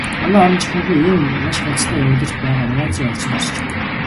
Манай орон чухамхүү ийм маш хурдацтай явагдаж байгаа инновацийн орчинд оршиж байна.